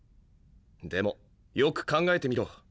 でもよく考えてみろ。